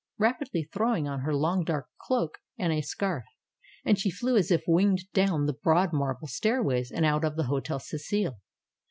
Rapidly throwing on her long, dark cloak, and a scarf, she flew as if winged down the broad marble stairways and out of the Hotel Cecil.